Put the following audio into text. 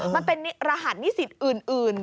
มันเป็นรหัสนิสิตอื่น